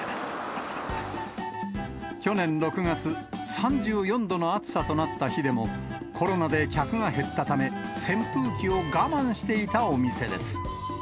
去年６月、３４度の暑さとなった日でも、コロナで客が減ったため、扇風機を我慢していたお店です。